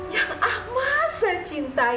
yang amat saya cintai